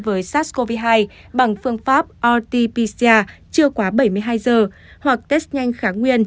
với sars cov hai bằng phương pháp rt pcr chưa quá bảy mươi hai giờ hoặc test nhanh kháng nguyên